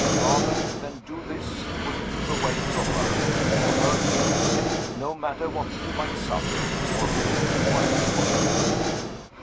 Rather than do this, he would keep away from her, for her dear sake no matter what he might suffer, or whom he might offend.